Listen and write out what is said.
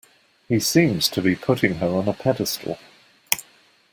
He seems to be putting her on a pedestal.